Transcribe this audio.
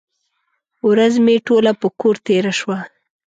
ورځ مې ټوله په کور تېره شوه.